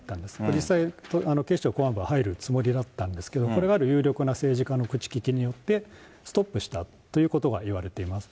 実際、警視庁公安部は入るつもりだったんですけど、これがある有力な政治家の口利きによって、ストップしたということが言われています。